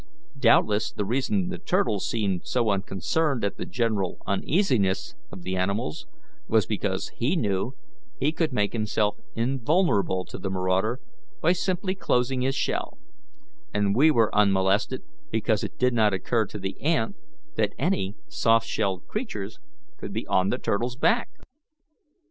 Doubtless the reason the turtle seemed so unconcerned at the general uneasiness of the animals was because he knew he could make himself invulnerable to the marauder by simply closing his shell, and we were unmolested because it did not occur to the ant that any soft shelled creatures could be on the turtle's back."